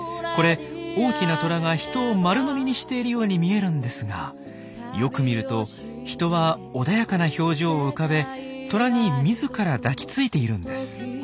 これ大きなトラが人を丸飲みにしているように見えるんですがよく見ると人は穏やかな表情を浮かべトラに自ら抱きついているんです。